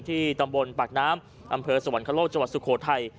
ที่ตำบลปากน้ำอำเภอสวรรคโลกจังหวัดสุโขทัย